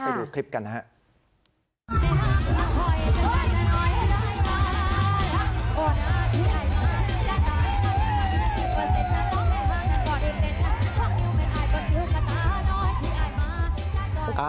ไปดูคลิปกันนะครับ